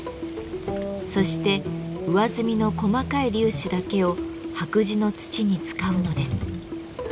そして上澄みの細かい粒子だけを白磁の土に使うのです。